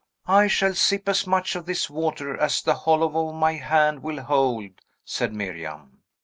"I shall sip as much of this water as the hollow of my hand will hold," said Miriam.